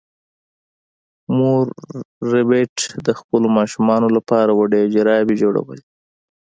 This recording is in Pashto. مور ربیټ د خپلو ماشومانو لپاره وړې جرابې جوړولې